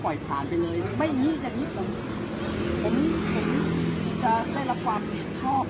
ตอนนี้กำหนังไปคุยของผู้สาวว่ามีคนละตบ